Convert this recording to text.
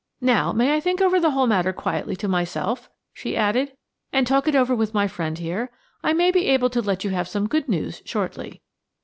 "Now, may I think over the whole matter quietly to myself," she added, "and talk it over with my friend here? I may be able to let you have some good news shortly."